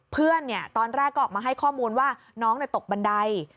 เพื่อนตอนแรกก็ออกมาให้ข้อมูลว่าน้องตกบันได